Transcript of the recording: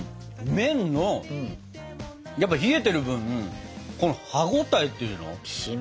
麺のやっぱり冷えてる分この歯応えっていうの？